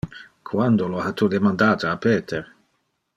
Quando lo ha tu demandate a Peter?